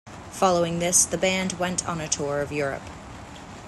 Following this, the band went on a tour of Europe.